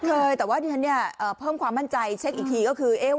เคยแต่ว่าที่ฉันเนี่ยเพิ่มความมั่นใจเช็คอีกทีก็คือ